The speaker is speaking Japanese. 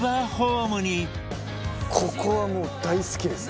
ここはもう大好きです。